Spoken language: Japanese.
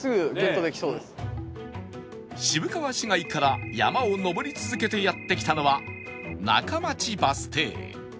渋川市街から山を登り続けてやって来たのは中町バス停